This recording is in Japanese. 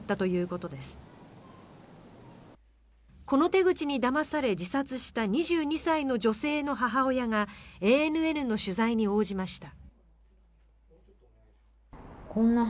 この手口にだまされ自殺した２２歳の女性の母親がＡＮＮの取材に応じました。